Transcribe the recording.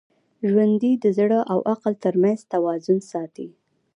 ژوندي د زړه او عقل تر منځ توازن ساتي